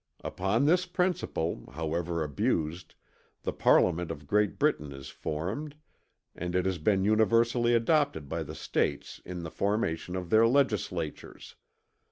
Upon this principle, however abused, the Parliament of Great Britain is formed, and it had been universally adopted by the States in the formation of their legislatures."